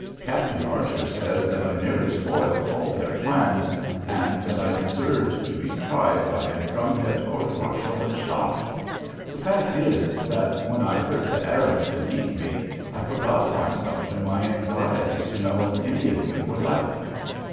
Captain Archer says that I nearly spoiled all their plans, and that I deserved to be tried by a drumhead court trial and shot. The fact is that, when I heard the Arabs beneath me, I forgot myself in my anxiety to know if any of you were left."